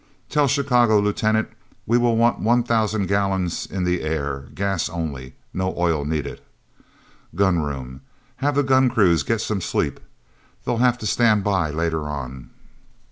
Tell Chicago, Lieutenant, we will want one thousand gallons in the air—gas only—no oil needed.... Gun room? Have the gun crews get some sleep. They'll have to stand by later on...."